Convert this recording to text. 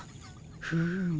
フーム。